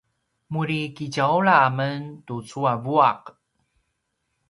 muri kitjaula amen tucu a vuaq